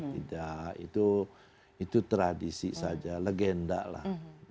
tidak itu tradisi saja legenda lah